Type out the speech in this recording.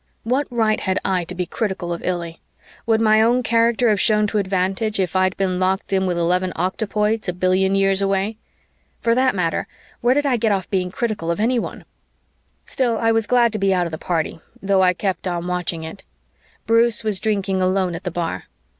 What right had I to be critical of Illy? Would my own character have shown to advantage if I'd been locked in with eleven octopoids a billion years away? For that matter, where did I get off being critical of anyone? Still, I was glad to be out of the party, though I kept on watching it. Bruce was drinking alone at the bar.